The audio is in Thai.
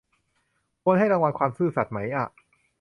ควรให้รางวัลความซื่อสัตย์ไหมอะ